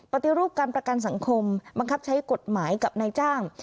ปฏิรูปการประกันสังคมบังคับใช้กฎหมายกับนายจ้าง